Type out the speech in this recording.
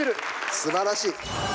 すばらしい。